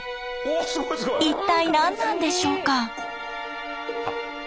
一体何なんでしょうか？